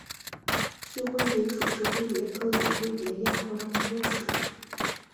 锯灰蝶属是灰蝶科眼灰蝶亚科中的一个属。